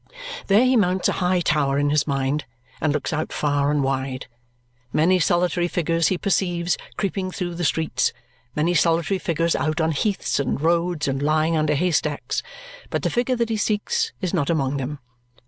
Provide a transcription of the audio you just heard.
There he mounts a high tower in his mind and looks out far and wide. Many solitary figures he perceives creeping through the streets; many solitary figures out on heaths, and roads, and lying under haystacks. But the figure that he seeks is not among them.